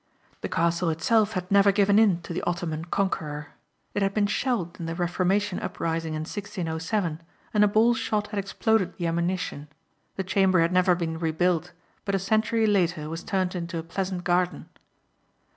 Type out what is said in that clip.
The castle itself had never given in to the Ottoman conqueror. It had been shelled in the Reformation uprising in 1607 and a ball shot had exploded the ammunition. The chamber had never been rebuilt but a century later was turned into a pleasant garden.